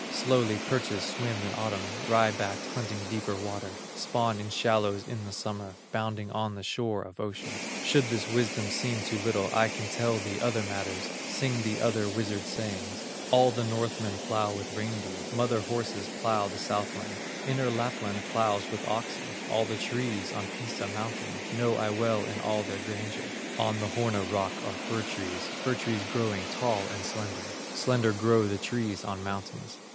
Slowly perches swim in Autumn, Wry backed, hunting deeper water, Spawn in shallows in the summer, Bounding on the shore of ocean. Should this wisdom seem too little, I can tell thee other matters, Sing thee other wizard sayings: All the Northmen plow with reindeer, Mother horses plow the Southland, Inner Lapland plows with oxen; All the trees on Pisa mountain, Know I well in all their grandeur; On the Horna rock are fir trees, Fir trees growing tall and slender; Slender grow the trees on mountains.